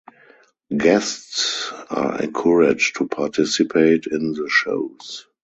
Guests are encouraged to participate in the shows.